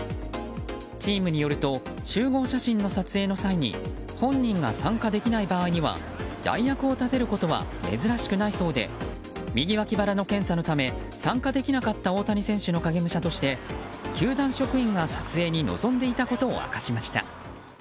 チームによると集合写真の撮影の際に本人が参加できない場合には代役を立てることは珍しくないそうで右脇腹の検査のため参加できなかった大谷選手の影武者として球団職員が撮影に臨んでいたことを明かしました。